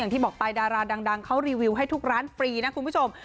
ที่บอกไปดาราดังเขารีวิวให้ทุกร้านฟรีนะคุณผู้ชม